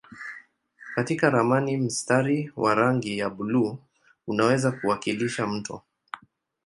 Katika ramani mstari wa rangi ya buluu unaweza kuwakilisha mto.